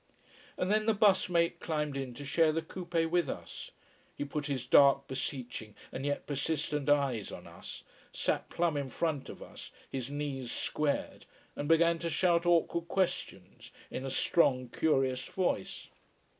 And then the bus mate climbed in to share the coupé with us. He put his dark, beseeching and yet persistent eyes on us, sat plumb in front of us, his knees squared, and began to shout awkward questions in a strong curious voice.